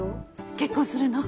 結婚するの？